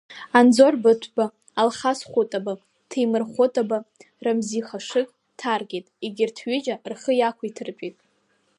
Анзор Быҭәба, Алхас Хәытаба, Ҭемыр Хәытаба, Рамзи Ҳашыг ҭаркит, егьырҭ ҩыџьа рхы иақәиҭыртәит.